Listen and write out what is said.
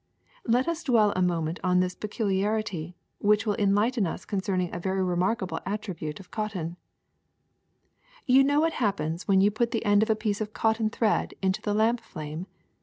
Let ns dwell a moment on this peculiarity, which will en lighten us concerning a very remarkable attribute of cotton. You know what happens when you put the end 62 THE SECRET OF EVERYDAY THINGS of a piece of cotton thread into the lamp flame.